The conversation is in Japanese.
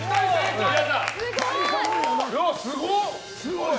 すごっ！